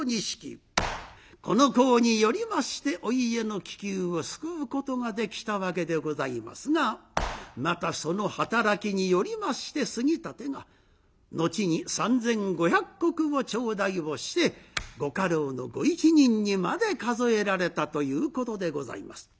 この功によりましてお家の危急を救うことができたわけでございますがまたその働きによりまして杉立が後に３，５００石を頂戴をしてご家老のご一人にまで数えられたということでございます。